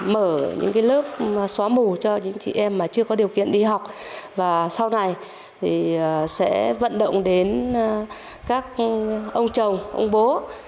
mở những lớp xóa mù cho những chị em mà chưa có điều kiện đi học và sau này thì sẽ vận động đến các ông chồng ông bố